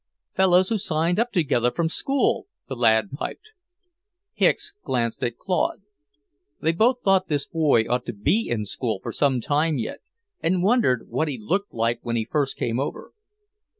"Fellows who signed up together from school," the lad piped. Hicks glanced at Claude. They both thought this boy ought to be in school for some time yet, and wondered what he looked like when he first came over.